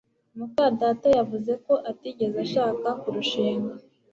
muka data yavuze ko atigeze ashaka kurushinga